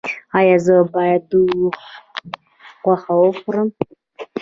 ایا زه باید د اوښ غوښه وخورم؟